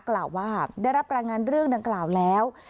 กล่าวว่าได้รับรายงานเรื่องดังกล่าวแล้ว